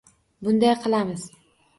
Bunday qilamiz.